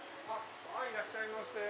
いらっしゃいませ。